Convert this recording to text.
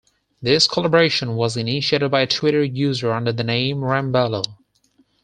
This collaboration was initiated by a Twitter user under the name 'Ramballo'.